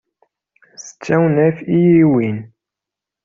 D tewnef i yi-yewwin.